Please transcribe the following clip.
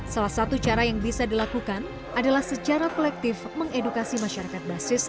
salah satu cara yang bisa dilakukan adalah secara kolektif mengedukasi masyarakat basis